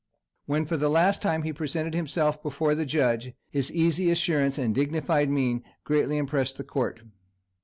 When for the last time he presented himself before the judge, his easy assurance and dignified mien greatly impressed the court.